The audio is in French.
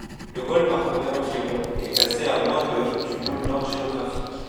Le vol parcourait environ et passait à moins de du Pôle Nord géographique.